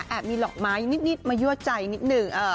แอบมีหลอกไม้นิดมาเยื่อใจนิดนึง